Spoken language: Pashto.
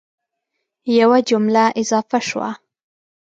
یوه جمله اضافه شوه